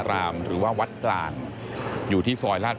พบหน้าลูกแบบเป็นร่างไร้วิญญาณ